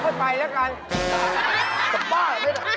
เดี๋ยวหน้าก่อนอย่าไปแล้วกัน